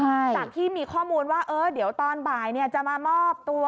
จากที่มีข้อมูลว่าเออเดี๋ยวตอนบ่ายจะมามอบตัว